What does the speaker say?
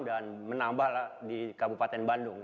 dan menambah di kabupaten bandung